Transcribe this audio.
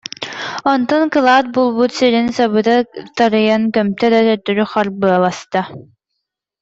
Онтон кылаат булбут сирин сабыта тарыйан көмтө да, төттөрү харбыаласта